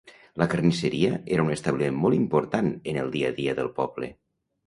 La carnisseria era un establiment molt important en el dia a dia del poble.